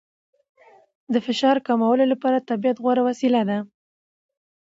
د فشار کمولو لپاره طبیعت غوره وسیله ده.